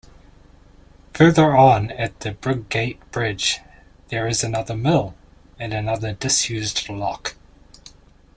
Further on at Briggate Bridge there is another mill and another disused lock.